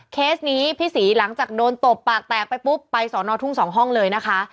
เคสนี้พี่ศรีหลังจากโดนตบปากแตกไปปุ๊บไปสอนอทุ่งสองห้องเลยนะคะ